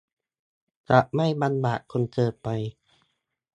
จะไม่ลำบากจนเกินไป